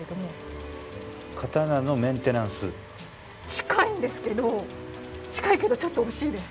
近いんですけど近いけどちょっと惜しいです。